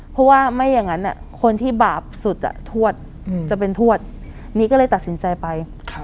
เพราะว่าไม่อย่างนั้นคนที่บาปสุดทวดจะเป็นทวดนี้ก็เลยตัดสินใจไป